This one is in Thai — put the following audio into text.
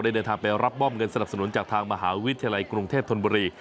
เดินทางไปรับมอบเงินสนับสนุนจากทางมหาวิทยาลัยกรุงเทพธนบุรี